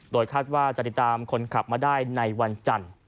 โดยคาดว่าจะติดตามคนขับมาได้ในวันจันทร์